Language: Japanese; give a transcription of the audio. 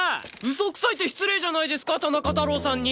嘘くさいって失礼じゃないですか田中太郎さんに！